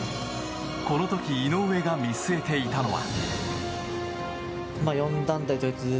この時井上が見据えていたのは。